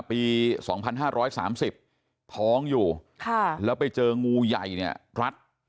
ปี๒๕๓๐ท้องอยู่แล้วไปเจองูใหญ่เนี่ยรัด